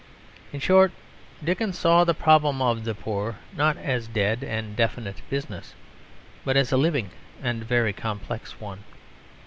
In short, Dickens saw the problem of the poor not as a dead and definite business, but as a living and very complex one.